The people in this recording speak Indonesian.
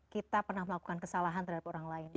kita pernah melakukan kesalahan terhadap orang lain